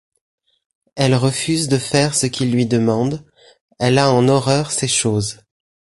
Elle refuse de faire ce qu’il lui demande, elle a en horreur ces choses.